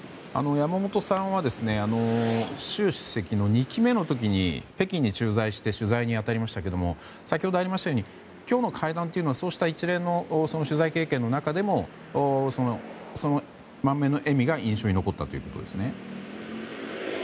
山本さんは習主席の２期目の時に北京に駐在して取材に当たりましたが先ほどありましたように今日の会談というのはそうした一連の取材経験の中でもその満面の笑みが印象に残ったということですね。